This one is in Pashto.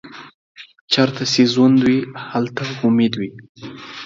چیرته چې ژوند وي، هلته امید وي.